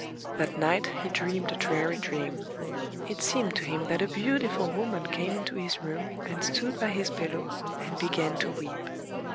That night he dreamed a dreary dream. It seemed to him that a beautiful woman came into his room, and stood by his pillow, and began to weep.